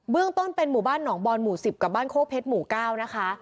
เรื่องต้นเป็นหมู่บ้านหนองบอลหมู่๑๐กับบ้านโคกเพชรหมู่๙นะคะ